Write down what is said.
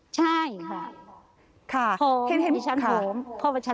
ใช่ค่ะผมดิฉันผมเพราะว่าฉันมั่นใจ